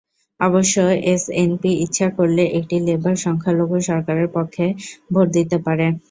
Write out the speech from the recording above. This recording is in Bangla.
অবশ্য এসএনপি ইচ্ছা করলে একটি লেবার সংখ্যালঘু সরকারের পক্ষে ভোট দিতে পারে।